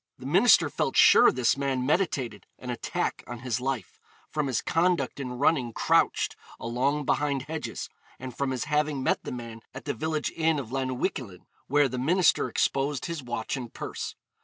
The minister felt sure this man meditated an attack on his life, from his conduct in running crouched along behind hedges, and from his having met the man at the village inn of Llanuwchllyn, where the minister exposed his watch and purse.